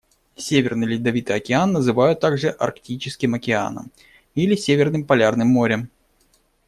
Северный Ледовитый Океан называют также Арктическим Океаном или Северным Полярным Морем.